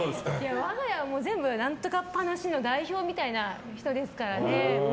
我が家は全部なんとかっぱなしの代表みたいな人ですから。